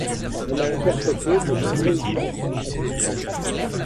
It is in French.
Elle a interprété de nombreuses chansons à succès.